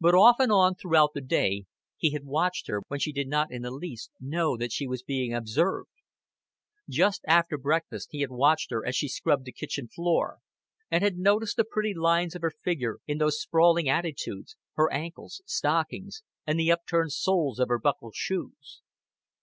But off and on throughout the day he had watched her when she did not in the least know that she was being observed. Just after breakfast he had watched her as she scrubbed the kitchen floor, and had noticed the pretty lines of her figure in these sprawling attitudes her ankles, stockings, and the upturned soles of her buckle shoes.